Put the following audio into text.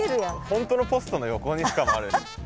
本当のポストの横にしかもある。